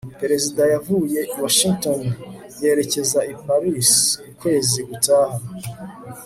perezida yavuye i washington yerekeza i paris ukwezi gutaha